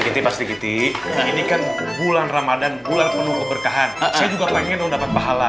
kita pasti kita ini kan bulan ramadhan bulan penuh keberkahan saya juga pengen dapat pahala